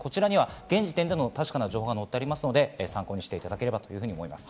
現時点での確かな情報が載ってますので参考にしていただければと思います。